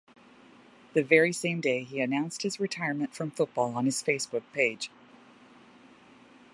The very same day he announced his retirement from football on his Facebook page.